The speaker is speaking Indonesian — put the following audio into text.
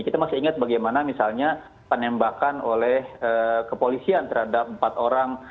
kita masih ingat bagaimana misalnya penembakan oleh kepolisian terhadap empat orang